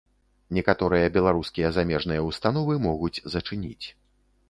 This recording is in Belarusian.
Некаторыя беларускія замежныя ўстановы могуць зачыніць.